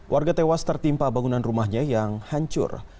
warga tewas tertimpa bangunan rumahnya yang hancur